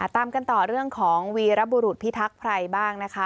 ตามกันต่อเรื่องของวีรบุรุษพิทักษ์ภัยบ้างนะคะ